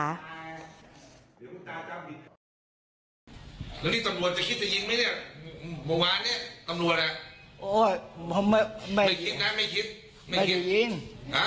แล้วกุญตาจะ